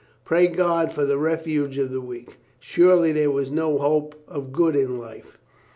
Pray God for the refuge of the weak. Surely there was no hope of good in life.